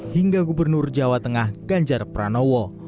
hingga gubernur jawa tengah ganjar pranowo